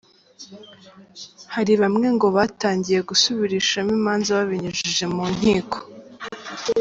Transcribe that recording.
Hari bamwe ngo batangiye gusubirishamo imanza babinyujije mu nkiko.